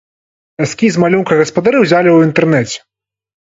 Эскіз малюнка гаспадары ўзялі ў інтэрнэце.